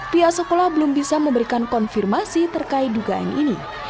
pihak sekolah belum bisa memberikan konfirmasi terkait dugaan ini